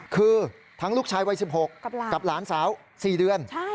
คือทั้งลูกชายวัย๑๖กับหลานสาว๔เดือน